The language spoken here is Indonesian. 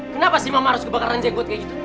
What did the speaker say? kenapa sih mama harus kebakaran jenggot kayak gitu